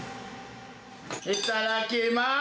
いただきまーす。